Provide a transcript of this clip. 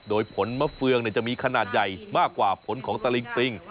โดยผลมะเฟืองจะมีขนาดใหญ่มากกว่าผลของตะลิงปริง